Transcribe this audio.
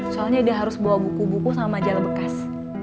soalnya dia harus bawa buku buku sama majalah bekas